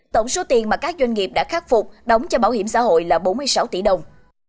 tổng số tiền mà các doanh nghiệp đã khắc phục đóng cho bảo hiểm xã hội là bốn mươi sáu tỷ đồng